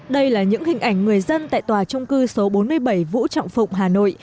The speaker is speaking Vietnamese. đây là những hình ảnh người dân tại tòa trung cư số bốn mươi bảy vũ trọng phụng hà nội